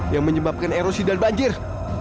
yang menyebabkan erosi dan banjir